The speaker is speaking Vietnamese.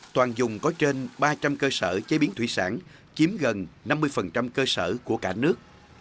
toàn dùng có trên ba trăm linh cơ sở chế biến thủy sản chiếm gần năm mươi cơ sở của cả nước